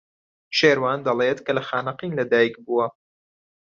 شێروان دەڵێت کە لە خانەقین لەدایک بووە.